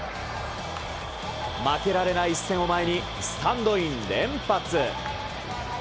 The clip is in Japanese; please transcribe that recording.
負けられない一戦を前にスタンドイン連発。